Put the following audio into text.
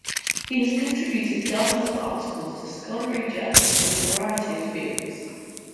He has contributed dozens of articles to scholarly journals in a variety of fields.